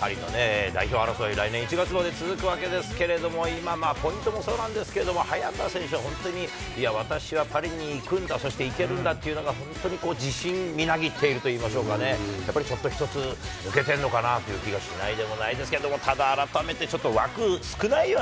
パリの代表争い、来年１月まで続くわけですけれども、今まあ、ポイントもそうなんですけど、早田選手は本当に、いや、私はパリに行くんだ、そして行けるんだというのが、本当に自信みなぎっていると言いましょうかね、やっぱりちょっと一つ、抜けてるのかなという気がしないでもないですけれども、ただ改めて、ちょっと、枠少ないよね。